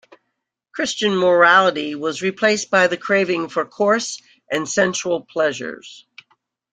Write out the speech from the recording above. Christian morality was replaced by the craving for coarse and sensual pleasures.